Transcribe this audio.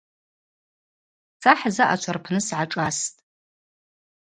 Са хӏзаъачва рпны сгӏашӏастӏ.